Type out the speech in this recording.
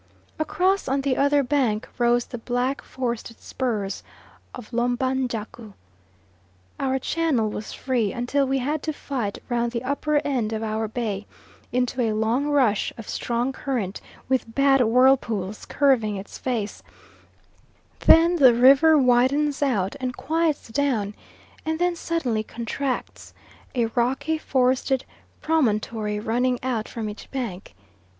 Across on the other bank rose the black forested spurs of Lomba njaku. Our channel was free until we had to fight round the upper end of our bay into a long rush of strong current with bad whirlpools curving its face; then the river widens out and quiets down and then suddenly contracts a rocky forested promontory running out from each bank.